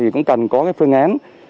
cũng cần có phương án